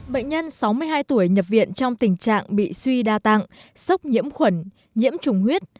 bệnh nhân sáu mươi hai tuổi nhập viện trong tình trạng bị suy đa tạng sốc nhiễm khuẩn nhiễm trùng huyết